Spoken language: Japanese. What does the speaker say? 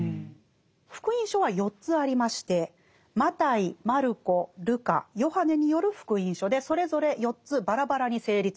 「福音書」は４つありましてマタイマルコルカヨハネによる「福音書」でそれぞれ４つバラバラに成立したそうです。